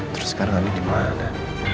terus sekarang andi dimana